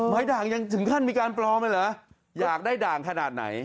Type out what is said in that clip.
ด่างยังถึงขั้นมีการปลอมเลยเหรออยากได้ด่างขนาดไหน